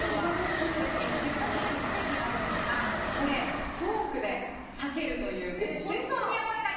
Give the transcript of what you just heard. そして、鉄板の上にステーキがあるんですがフォークでさけるという本当にやわらかい。